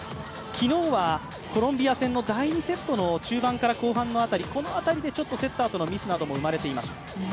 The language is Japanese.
昨日はコロンビア戦の第２セットの中盤から後半の辺りこの辺りでちょっとセッターとのミスも生まれていました。